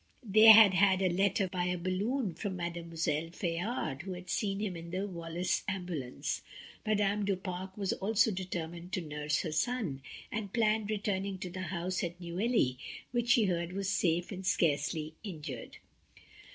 They had had a letter by a balloon from Mademoiselle Fayard, who had seen him in the Wallace ambulance. Madame du Pare also was determined to nurse her son, and planned returning to the house at Neuilly, which she heard was safe and scarcely injured.